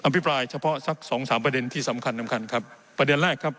พิปรายเฉพาะสักสองสามประเด็นที่สำคัญสำคัญครับประเด็นแรกครับ